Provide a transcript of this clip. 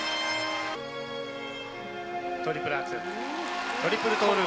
トリプルアクセル。